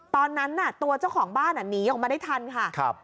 ตอนนั้นตัวเจ้าของบ้านหนีออกมาได้ทันค่ะ